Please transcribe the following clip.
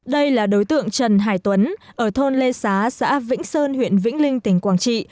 đây là đối tượng trần hải tuấn ở thôn lê xá xã vĩnh sơn huyện vĩnh linh tỉnh quảng trị